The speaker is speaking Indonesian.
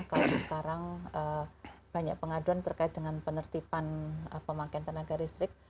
kalau sekarang banyak pengaduan terkait dengan penertiban pemakaian tenaga listrik